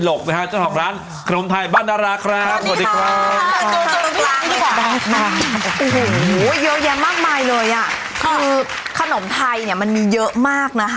โห้เยอะแยงมากมายเลยอ่ะคือขนมไทยเนี้ยมันมีเยอะมากนะคะ